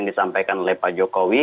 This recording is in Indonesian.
disampaikan oleh pak jokowi